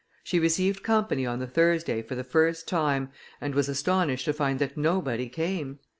She received company on the Thursday for the first time, and was astonished to find that nobody came.